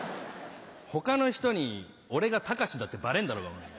他の人に俺が隆だってバレんだろうがお前。